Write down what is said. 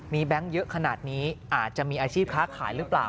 มีแบงค์เยอะขนาดนี้อาจจะมีอาชีพค้าขายหรือเปล่า